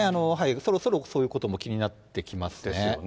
そろそろそういうことも気になってきますね。